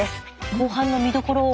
後半の見どころを。